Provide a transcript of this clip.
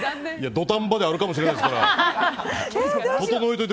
土壇場であるかもしれないですから。